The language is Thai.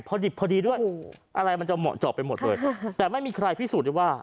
พอดิบพอดีด้วยอะไรมันจะเหมาะเจาะไปหมดเลยแต่ไม่มีใครพิสูจน์ได้ว่า